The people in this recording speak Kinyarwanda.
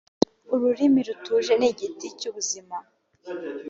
ururimi rutuje ni igiti cy ubuzima